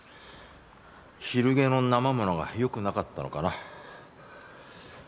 昼げの生ものが良くなかったのかな